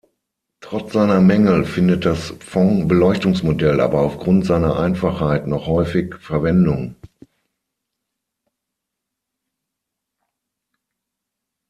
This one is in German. Trotz seiner Mängel findet das Phong-Beleuchtungsmodell aber auf Grund seiner Einfachheit noch häufig Verwendung.